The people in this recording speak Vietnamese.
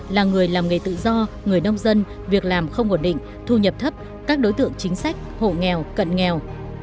là người làm nghề tự do người nông dân việc làm không ổn định thu nhập thấp các đối tượng chính sách hộ nghèo cận nghèo